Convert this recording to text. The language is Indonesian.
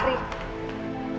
terima kasih semuanya